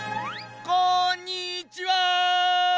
こんにちは！